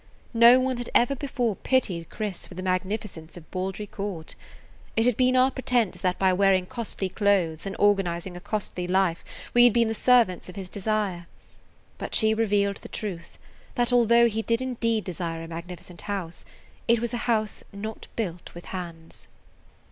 No one had ever before pitied Chris for the magnificence of Baldry Court. It had been our pretense that by wearing costly clothes and organizing a costly life we had been the servants of his desire. But she revealed the truth that, although he did indeed desire a magnificent house, it was a house not built with hands.